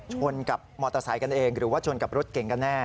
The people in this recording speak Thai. ชนกับมอเตอร์ไซค์กันเองหรือว่าชนกับรถเก่งกันแน่